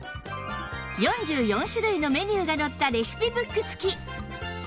４４種類のメニューが載ったレシピブック付き